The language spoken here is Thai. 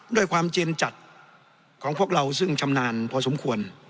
ด้วยความเจนจัดของพวกเราซึ่งชำนาญพอสมควร